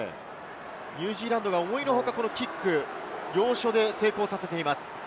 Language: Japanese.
ニュージーランドが思いの外、キック、要所で成功させています。